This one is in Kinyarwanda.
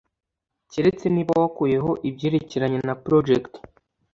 Keretse niba wakuyeho ibyerekeranye na Project